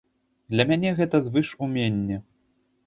Для мяне гэта звышуменне.